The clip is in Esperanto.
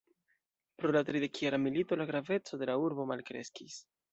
Pro la Tridekjara milito la graveco de la urbo malkreskis.